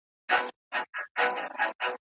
وګړي تښتي له ګاونډیانو